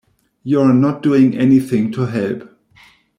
You are not doing anything to help.